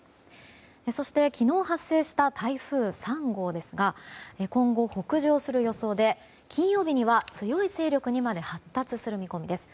そして、昨日発生した台風３号ですが今後、北上する予想で金曜日には強い勢力にまで発達する見込みです。